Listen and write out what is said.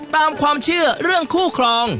ตามความเชื่อเรื่องคู่ครอง